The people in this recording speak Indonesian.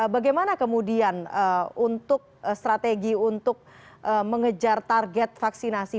bagaimana kemudian untuk strategi untuk mengejar target vaksinasi